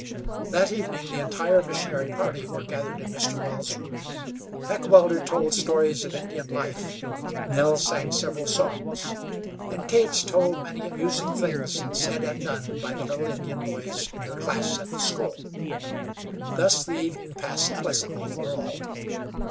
That evening the entire missionary party were gathered in Mr. Wells' room. Heckewelder told stories of Indian life; Nell sang several songs, and Kate told many amusing things said and done by the little Indian boys in her class at the school. Thus the evening passed pleasantly for all.